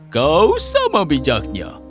kau sama bijaknya